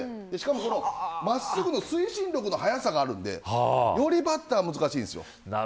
真っすぐの推進力の速さがあるのでよりバッターが難しいんです。